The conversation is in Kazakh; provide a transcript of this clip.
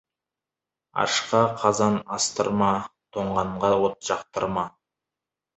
Ашқа қазан астырма, тоңғанға от жақтырма.